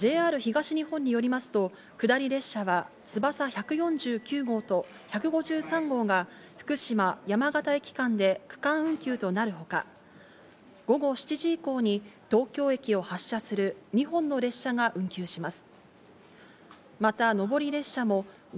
ＪＲ東日本によりますと下り列車は、つばさ１４９号と１５３号が福島・山形駅間で区間運休となるほか、午後７時以降に東京駅を発車する２本の列車が運休します。